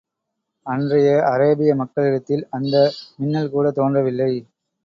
அன்றைய அரேபிய மக்களிடத்தில், அந்த மின்னல் கூடத் தோன்றவில்லை.